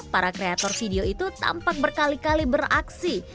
para kreator video itu tampak berkali kali beraksi